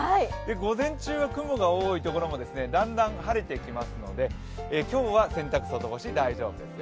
午前中は雲が多いところもだんだん晴れてきますので、今日は洗濯、外干し大丈夫ですよ。